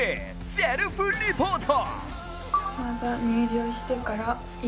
セルフリポート！